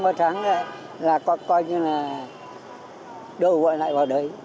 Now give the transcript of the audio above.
có tháng là coi như là đổ gọi lại vào đấy